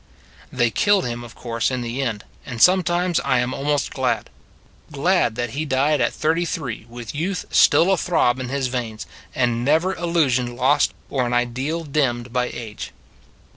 They killed Him, of course, in the end, and sometimes I am almost glad glad that He died at thirty three, with youth still athrob in His veins, and never an 86 It s a Good Old World illusion lost or an ideal dimmed by age.